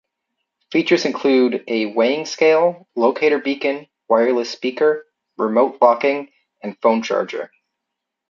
Features include a weighing scale, locator beacon, wireless speaker, remote locking, and phone charger.